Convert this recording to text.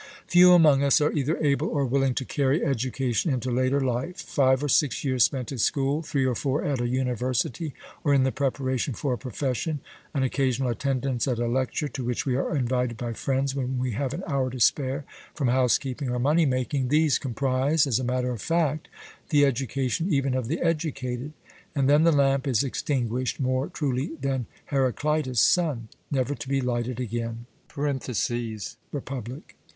Few among us are either able or willing to carry education into later life; five or six years spent at school, three or four at a university, or in the preparation for a profession, an occasional attendance at a lecture to which we are invited by friends when we have an hour to spare from house keeping or money making these comprise, as a matter of fact, the education even of the educated; and then the lamp is extinguished 'more truly than Heracleitus' sun, never to be lighted again' (Republic).